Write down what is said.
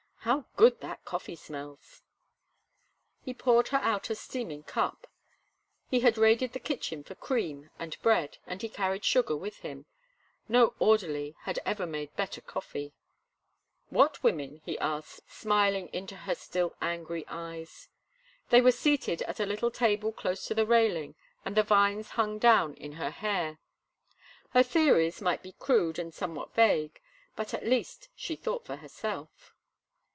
How good that coffee smells!" He poured her out a steaming cup. He had raided the kitchen for cream and bread, and he carried sugar with him. No orderly had ever made better coffee. "What women?" he asked, smiling into her still angry eyes. They were seated at a little table close to the railing and the vines hung down in her hair. Her theories might be crude and somewhat vague, but at least she thought for herself.